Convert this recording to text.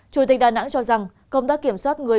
chủ tịch đà nẵng cho rằng công tác kiểm soát người